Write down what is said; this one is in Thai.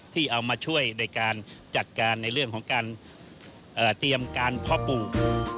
ที่เอามาช่วยในการจัดการในเรื่องของการเตรียมการพ่อปู่